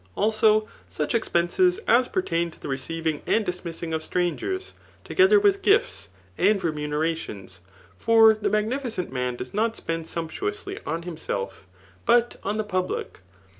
Also such expenses as pertain to the receiving anddis missiilg of strangers, together with gifts and Remunera tions. For the magnificent man does not spend sump tuously on himself, but on the pid>lic.